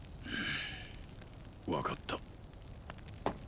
分かった。